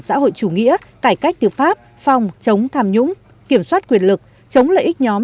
xã hội chủ nghĩa cải cách tư pháp phòng chống tham nhũng kiểm soát quyền lực chống lợi ích nhóm